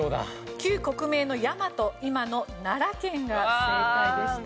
旧国名の大和今の奈良県が正解でした。